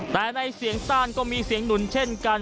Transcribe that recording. แต่ในเสียงซ่านก็มีเสียงหนุนเช่นกัน